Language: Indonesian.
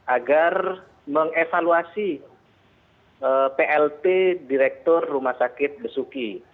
agar mengevaluasi plt direktur rumah sakit besuki